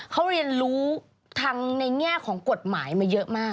เขาเรียนรู้ทางในแง่ของกฎหมายมาเยอะมาก